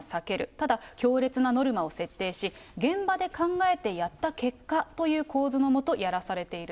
ただ、強烈なノルマをノルマを設定し、現場で考えてやった結果という構図のもとやらされている。